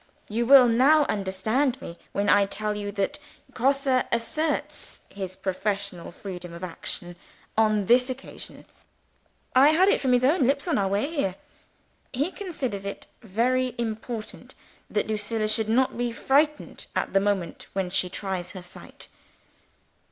You will now understand me when I tell you that Grosse asserts his professional freedom of action on this occasion. I had it from his own lips on our way here. He considers it very important that Lucilla should not be frightened at the moment when she tries her sight.